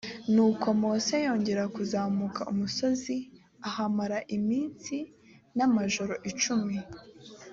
ni uko mose yongera kuzamuka umusozi ahamara iminsi n’amajoro icumi